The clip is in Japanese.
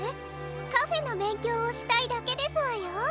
カフェのべんきょうをしたいだけですわよ。